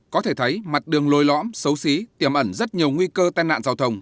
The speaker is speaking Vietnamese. có thể thấy mặt đường lôi lõm xấu xí tiềm ẩn rất nhiều nguy cơ tai nạn giao thông